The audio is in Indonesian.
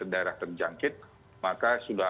daerah terjangkit maka sudah